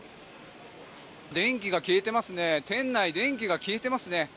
電気が消えてますね店内、電気が消えてますね。